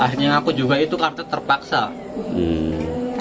akhirnya aku juga itu kartu terpaksa